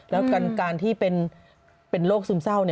แล้วการที่เป็นโรคซึมเศร้า